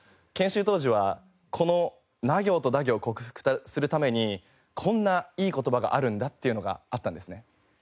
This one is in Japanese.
研修当時はこのナ行とダ行克服するためにこんないい言葉があるんだっていうのがあったんですね。